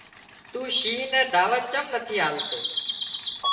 تُون شينهن نين دعوت چم نٿي آلتو